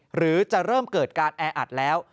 หรือจะเริ่มเกิดการแออัดแล้ว